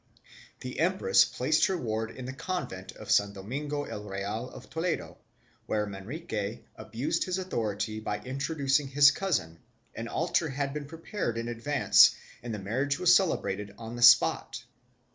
The empress placed her ward in the convent of San Domingo el Real of Toledo, where Manrique abused his authority by introducing his cousin; an altar had been prepared in advance and the marriage was cele brated on the spot.